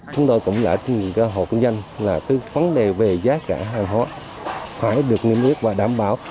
chúng tôi cũng đã hộ kinh doanh là vấn đề về giá cả hàng hóa phải được nghiêm quyết và đảm bảo